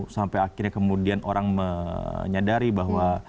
sampai akhirnya kemudian orang menyadari bahwa